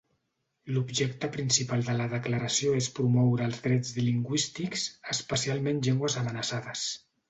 L'objecte principal de la Declaració és promoure els drets lingüístics, especialment llengües amenaçades.